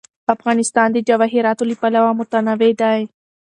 افغانستان د جواهراتو له پلوه متنوع دی.